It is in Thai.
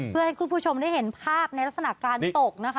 เพื่อให้คุณผู้ชมได้เห็นภาพในลักษณะการตกนะคะ